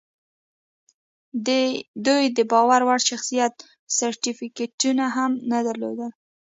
دوی د باور وړ شخصیت سرټیفیکټونه هم نه درلودل